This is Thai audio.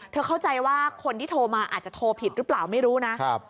เข้าใจว่าคนที่โทรมาอาจจะโทรผิดหรือเปล่าไม่รู้นะ